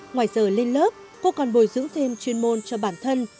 ngoài giờ lên lớp cô còn bồi dưỡng thêm chuyên môn cho bản thân